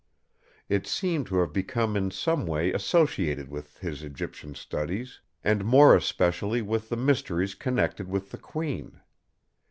It seemed to have become in some way associated with his Egyptian studies, and more especially with the mysteries connected with the Queen.